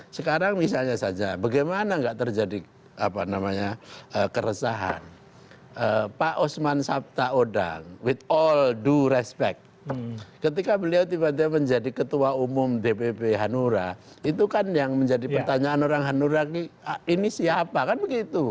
sekarang misalnya saja bagaimana nggak terjadi apa namanya keresahan pak osman sabta odang with all du respect ketika beliau tiba tiba menjadi ketua umum dpp hanura itu kan yang menjadi pertanyaan orang hanura ini siapa kan begitu